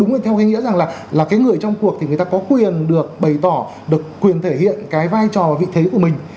nhưng theo cái nghĩa rằng là cái người trong cuộc thì người ta có quyền được bày tỏ được quyền thể hiện cái vai trò vị thế của mình